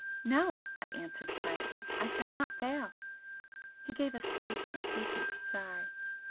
"No," I answered, quietly "I shall not fail!" He gave a slight, impatient sigh.